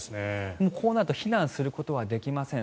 こうなると避難することはできません。